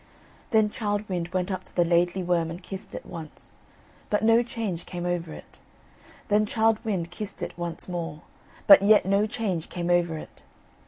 Then Childe Wynd went up to the Laidly Worm and kissed it once; but no change came over it. Then Childe Wynd kissed it once more; but yet no change came over it.